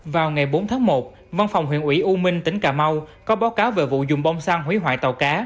vào ngày bốn tháng một văn phòng huyện ủy u minh tỉnh cà mau có báo cáo về vụ dùng bông xăng hủy hoại tàu cá